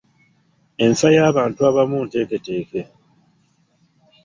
Enfa y'abantu abamu nteeketeeke.